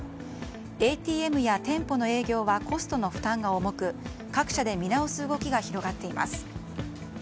ＡＴＭや店舗の営業はコストの負担が重く各社で見直す動きが広がっています。